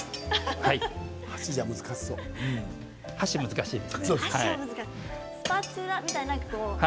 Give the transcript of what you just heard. お箸は難しいですね。